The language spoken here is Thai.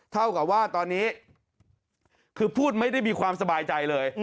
เท่ากับว่าตอนนี้คือพูดไม่ได้มีความสบายใจเลย